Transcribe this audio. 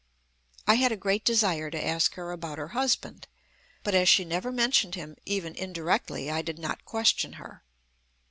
I had a great desire to ask her about her husband. But as she never mentioned him even indirectly, I did not question her.